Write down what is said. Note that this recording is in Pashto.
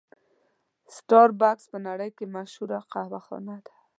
سټار بکس په نړۍ کې مشهوره قهوه خانه ده.